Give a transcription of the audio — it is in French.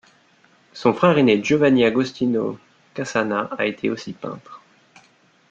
Son frère aîné Giovanni Agostino Cassana a été aussi peintre.